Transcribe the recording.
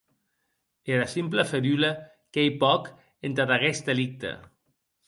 Era simpla ferula qu'ei pòc entad aguest delicte.